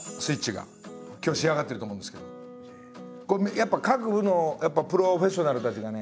やっぱ各部のプロフェッショナルたちがね